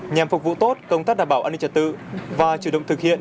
nhằm phục vụ tốt công tác đảm bảo an ninh trật tự và chủ động thực hiện